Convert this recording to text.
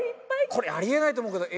これあり得ないと思うけど。